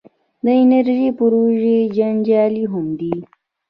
د انرژۍ پروژې جنجالي هم دي.